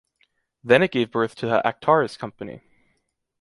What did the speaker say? Then it gave birth to the Actaris company.